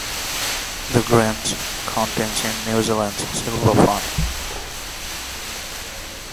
The guernsey contains New Zealand's silver fern.